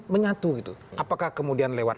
menyatu apakah kemudian lewat